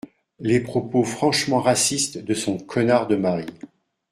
les propos franchement racistes de son connard de mari.